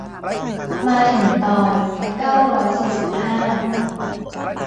มาถึงตอน เก้าร้อยสี่สิบห้า